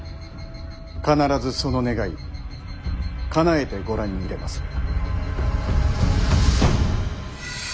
必ずその願いかなえてご覧に入れまする。